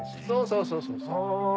そうそうそう。